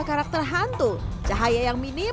karakter hantu cahaya yang minim